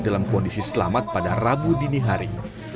korban masih selamat pada rabu dini hari